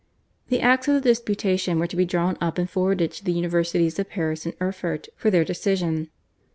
The acts of the disputation were to be drawn up and forwarded to the Universities of Paris and Erfurt for their decision.